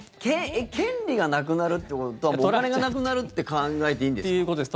権利がなくなるってことはもうお金がなくなるって考えていいんですか？ということです。